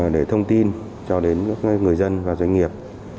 để thông tin cho đến người dân và doanh nghiệp